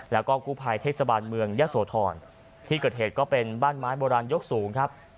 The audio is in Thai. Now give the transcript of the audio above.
แล้วก็กู้ภัยเทศบาลเมืองยะโสธรที่เกิดเหตุก็เป็นบ้านไม้โบราณยกสูงครับ